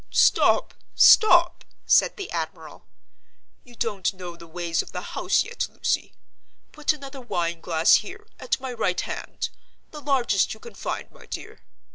"Stop, stop!" said the admiral; "you don't know the ways of the house yet, Lucy. Put another wine glass here, at my right hand—the largest you can find, my dear.